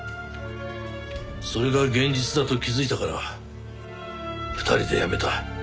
それが現実だと気づいたから２人で辞めた。